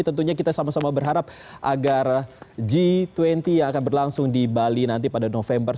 tentunya kita sama sama berharap agar g dua puluh yang akan berlangsung di bali nanti pada november